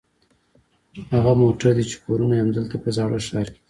هغه موټر دي چې کورونه یې همدلته په زاړه ښار کې دي.